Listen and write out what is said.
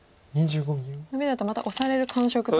ノビだとまたオサれる感触とかも。